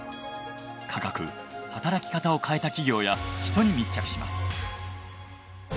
価格働き方を変えた企業や人に密着します。